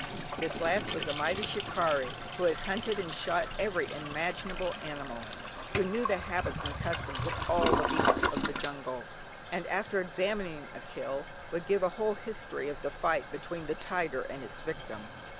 This last was a mighty shikarri, who had hunted and shot every imaginable animal; who knew the habits and customs of all the beasts of the jungle, and after examining a "kill" would give a whole history of the fight between the tiger and its victim.